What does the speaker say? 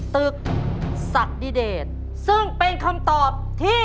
ตึกสัตดิเดชซึ่งเป็นคำตอบที่